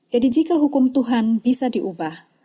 jadi jika hukum tuhan bisa diubah